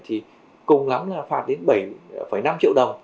thì cùng lắm là phạt đến bảy năm triệu đồng